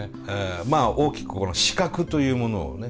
まあ大きく資格というものをね。